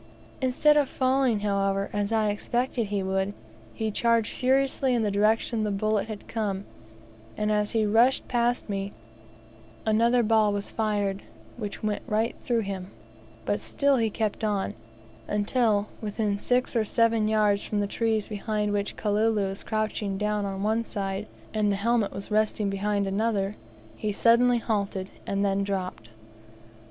Instead of falling, however, as I expected he would, he charged furiously in the direction the bullet had come, and as he rushed past me, another ball was fired, which went right through him; but still he kept on, until, within six or seven yards from the trees behind which Kalulu was crouching down on one side, and the helmet was resting behind another, he suddenly halted, and then dropped.